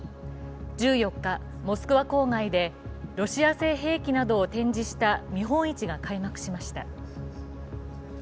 １４日、モスクワ郊外でロシア製兵器などを展示した見本市が開幕しました。